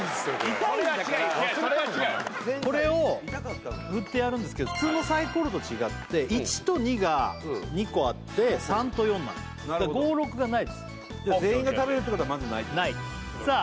これを振ってやるんですけど普通のサイコロと違って１と２が２個あって３と４なるほど５６がないです全員が食べるってことはまずないないさあ